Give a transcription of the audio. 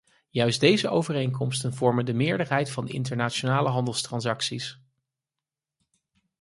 Juist deze overeenkomsten vormen de meerderheid van de internationale handelstransacties.